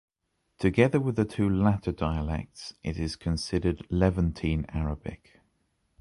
Together with the two latter dialects, it is considered Levantine Arabic.